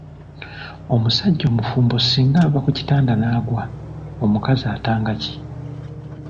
Omusajja omufumbo singa ava ku kitanda n’agwa, omukazi atanga ki?